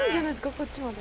こっちまで。